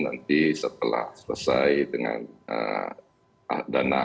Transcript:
nanti setelah selesai dengan dana